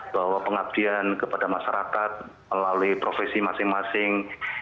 bahwa pengabdian kepada masyarakat melalui profesi masing masing